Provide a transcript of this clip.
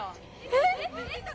えっ？